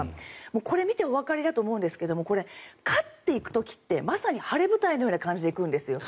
これ、見ておわかりだと思うんですが勝っていく時ってまさに晴れ舞台のような感じで行くんですよ。